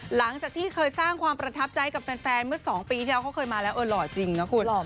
หลังจากที่เคยสร้างความประทับใจกับแฟนเมื่อ๒ปีที่แล้วเขาเคยมาแล้วเออหล่อจริงนะคุณ